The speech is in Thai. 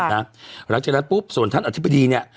หลังจากนั้นปุ๊บส่วนท่านอธิบดีเนี่ย